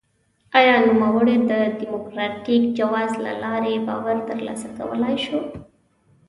آیا نوموړی د ډیموکراټیک جواز له لارې باور ترلاسه کولای شي؟